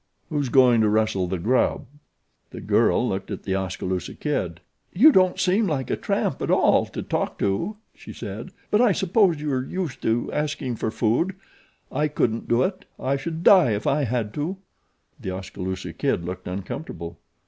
Who's going to rustle the grub?" The girl looked at The Oskaloosa Kid. "You don't seem like a tramp at all, to talk to," she said; "but I suppose you are used to asking for food. I couldn't do it I should die if I had to." The Oskaloosa Kid looked uncomfortable.